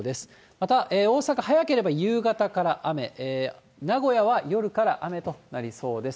また、大阪、早ければ夕方から雨、名古屋は夜から雨となりそうです。